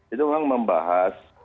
itu memang membahas